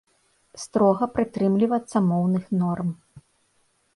Строга прытрымлівацца моўных норм.